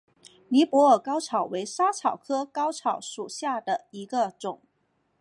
尼泊尔嵩草为莎草科嵩草属下的一个种。